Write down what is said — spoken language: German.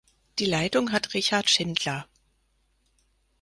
Die Leitung hat Richard Schindler.